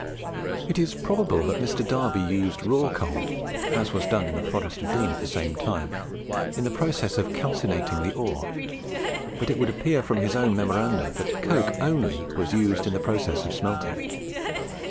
It is probable that Mr. Darby used raw coal, as was done in the Forest of Dean at the same time, in the process of calcining the ore; but it would appear from his own Memoranda that coke only was used in the process of smelting.